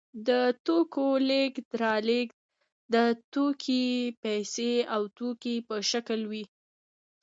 د توکو لېږد رالېږد د توکي پیسې او توکي په شکل وي